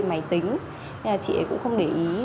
máy tính nên chị ấy cũng không để ý